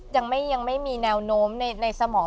ยังไม่มีแนวโน้มในสมอง